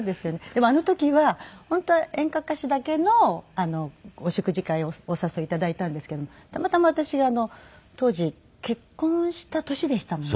でもあの時は本当は演歌歌手だけのお食事会をお誘い頂いたんですけどもたまたま私が当時結婚した年でしたもんね。